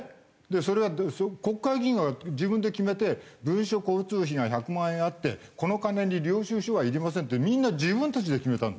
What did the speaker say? それは国会議員が自分で決めて文書交通費が１００万円あってこの金に領収書はいりませんってみんな自分たちで決めたんだよ。